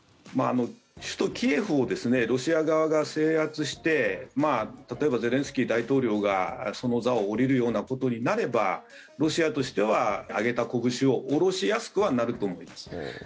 首都キエフをロシア側が制圧して例えばゼレンスキー大統領がその座を降りるようなことになればロシアとしては上げたこぶしを下ろしやすくはなると思います。